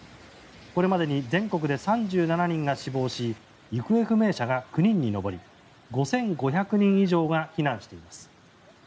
これまでに全国で３７人が死亡し行方不明者が９人に上り５５００人以上が避難しています。